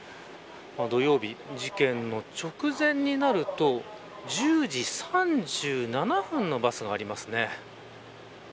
土曜日、事件の直前になると１０時３７分のバスがありますね。